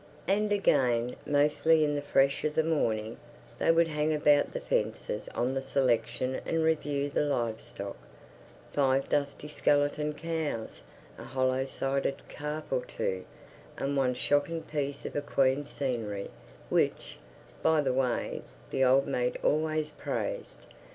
And again mostly in the fresh of the morning they would hang about the fences on the selection and review the live stock: five dusty skeletons of cows, a hollow sided calf or two, and one shocking piece of equine scenery which, by the way, the old mate always praised.